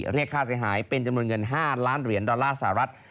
เรียกค่าเสียหายเป็นจำนวนเงิน๕ล้านเหรียญดอลลาร์สหรัฐ